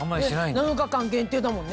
７日間限定だもんね。